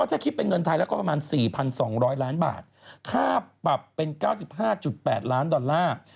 ถ้าคิดเป็นเงินไทยแล้วก็ประมาณ๔๒๐๐ล้านบาทค่าปรับเป็น๙๕๘ล้านดอลลาร์